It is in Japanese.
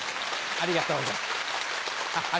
ありがとうございます。